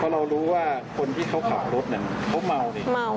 เมาค่ะ